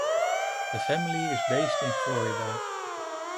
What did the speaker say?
The family is based in Florida.